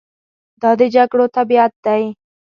دا د جګړو طبیعت دی.